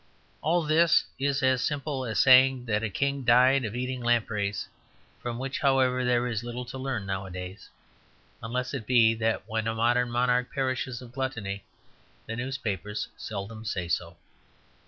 All this is as simple as saying that a king died of eating lampreys, from which, however, there is little to learn nowadays, unless it be that when a modern monarch perishes of gluttony the newspapers seldom say so.